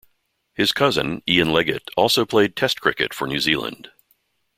His cousin Ian Leggat also played Test cricket for New Zealand.